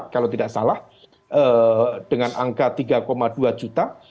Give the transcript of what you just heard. kalau tidak salah dengan angka tiga dua juta